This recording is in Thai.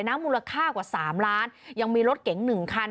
นะมูลค่ากว่าสามล้านยังมีรถเก่งหนึ่งคัน